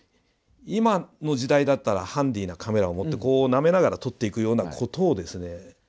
今の時代だったらハンディなカメラを持ってこうなめながら撮っていくようなことをですね